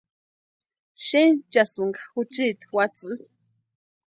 Xenchasïnka juchiti watsïni.